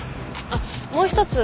あっもう一つ